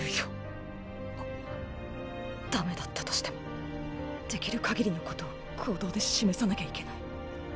ダメだったとしてもできる限りのことを行動で示さなきゃいけない。